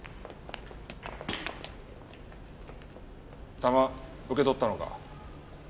弾受け取ったのか？